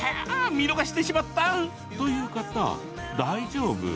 見逃してしまった！という方、大丈夫。